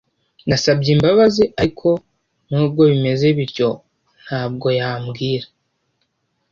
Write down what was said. Nasabye imbabazi, ariko nubwo bimeze bityo ntabwo yambwira.